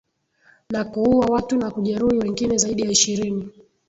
na kuua watu na kujeruhi wengine zaidi ya ishirini